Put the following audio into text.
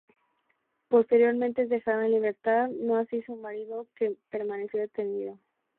Posteriormente es dejada en libertad, no así su marido que permaneció detenido.